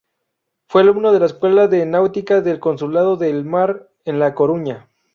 Fue alumno de la Escuela de Náutica del Consulado del Mar en La Coruña.